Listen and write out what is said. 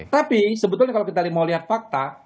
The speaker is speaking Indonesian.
tapi sebetulnya kalau kita mau lihat fakta